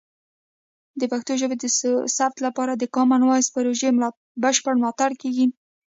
د پښتو ژبې د ثبت لپاره د کامن وایس پروژې بشپړ ملاتړ کیږي.